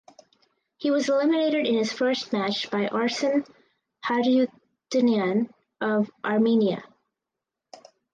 He was eliminated in his first match by Arsen Harutyunyan of Armenia.